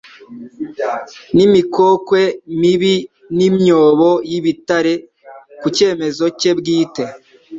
n'imikokwe mibi n'imyobo y'ibitare. Ku cyemezo cye bwite,